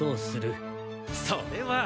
それは。